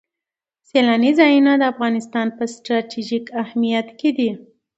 سیلاني ځایونه د افغانستان په ستراتیژیک اهمیت کې دي.